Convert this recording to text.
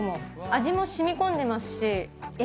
味もしみこんでますし、え？